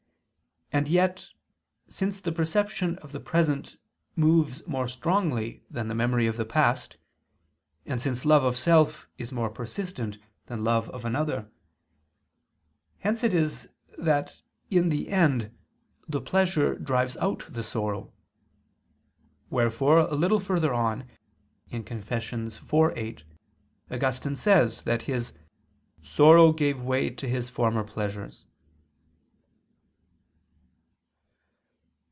And yet, since the perception of the present moves more strongly than the memory of the past, and since love of self is more persistent than love of another; hence it is that, in the end, the pleasure drives out the sorrow. Wherefore a little further on (Confess. iv, 8) Augustine says that his "sorrow gave way to his former pleasures."